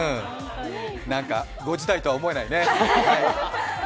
なんか５時台とは思えないね。